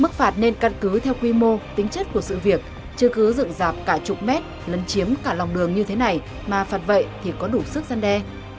mức phạt nên căn cứ theo quy mô tính chất của sự việc chứ cứ dựng dạp cả chục mét lấn chiếm cả lòng đường như thế này mà phạt vậy thì có đủ sức gian đe